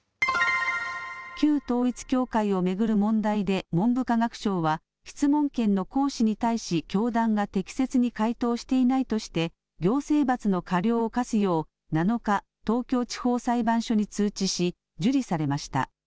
旧統一教会を巡る問題で、文部科学省は質問権の行使に対し、教団が適切に回答していないとして行政罰の過料を科すよう、７日、東京地方裁判所に通知し、受理されました。